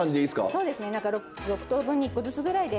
そうですね何か６等分に１個ずつぐらいで。